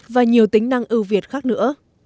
và nhiều tính năng ưu việt khác nữa